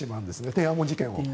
天安門事件を。